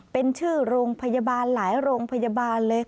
เป็นชื่อโรงพยาบาลหลายโรงพยาบาลเลย